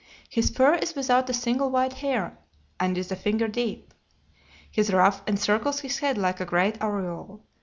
His fur is without a single white hair and is a finger deep; his ruff encircles his head like a great aureole.